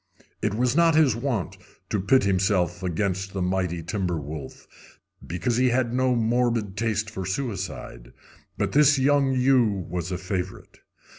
It was not his wont to pit himself against the mighty timber wolf, because he had no morbid taste for suicide, but this young ewe was a favorite.